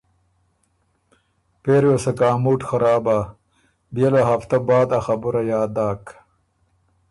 پېری وه سکه ا مُوډ خراب بۀ، بيې له هفته بعد ا خبُره یاد داک۔